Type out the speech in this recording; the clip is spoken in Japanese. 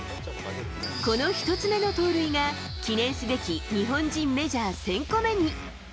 この１つ目の盗塁が記念すべき日本人メジャー１０００個目に。